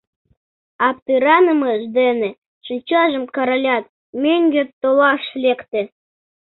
Аптыранымыж дене шинчажым каралят, мӧҥгӧ толаш лекте.